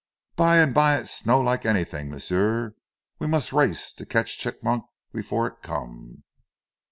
"By an' by it snow like anythin', m'sieu. We must race to catch Chigmok b'fore it come."